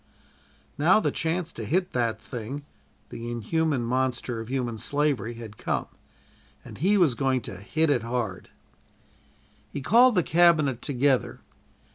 Now the "chance to hit that thing" the inhuman monster of human slavery had come, and he was going to "hit it hard." He called the Cabinet together.